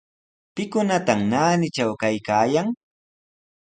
¿Pikunataq naanitraw kaykaayan?